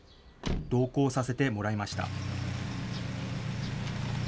同行させてもらいました。